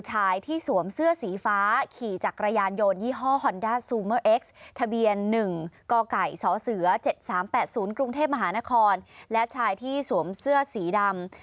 ชายที่สวมเสื้อสีดำ